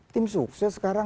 tim sukses sekarang